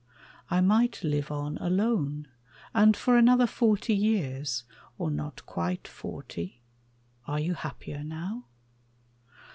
I might live on Alone, and for another forty years, Or not quite forty, are you happier now?